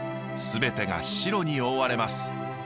全てが白に覆われます。